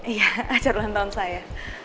iya akhir ulang tahun saya